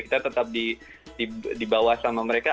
kita tetap dibawa sama mereka